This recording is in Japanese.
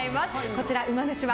こちら、うま主は？